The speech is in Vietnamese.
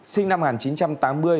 sinh năm một nghìn chín trăm tám mươi